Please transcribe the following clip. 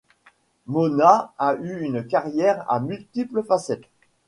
Mona a eu une carrière à multiples facettes.